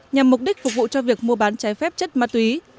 nhằm mục đích phục vụ cho việc mua bán trái phép chất ma túy